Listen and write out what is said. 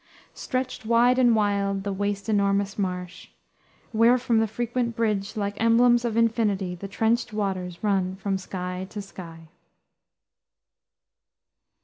"Stretched wide and wild, the waste enormous marsh, Where from the frequent bridge, Like emblems of infinity, The trenched waters run from sky to sky."